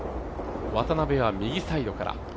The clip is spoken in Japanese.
渡邉は右サイドから。